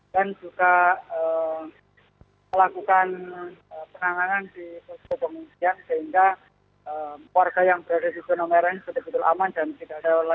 dan juga melakukan penanganan di pusat komisian sehingga warga yang berada di jena merah ini sudah aman dan tidak ada lagi warga yang berada di jena merah